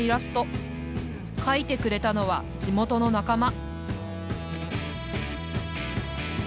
描いてくれたのは地元の仲間